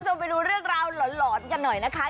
พระคุณผู้ชมไปดูเรื่องราวหลอนกันหน่อยนะคะ